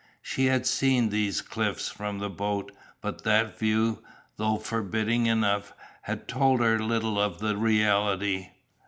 She had seen these cliffs from the boat, but that view, though forbidding enough, had told her little of the reality.